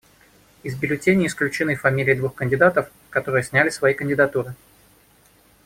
Из бюллетеней исключены фамилии двух кандидатов, которые сняли свои кандидатуры.